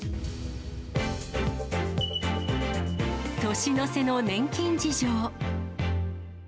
年の瀬の年金事情。